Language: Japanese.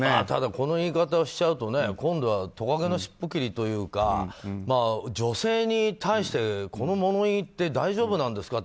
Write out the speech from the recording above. この言い方をしちゃうと今度はトカゲのしっぽ切りというか女性に対して、この物言いって大丈夫なんですかって